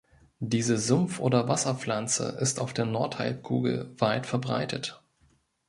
Diese Sumpf- oder Wasserpflanze ist auf der Nordhalbkugel weit verbreitet.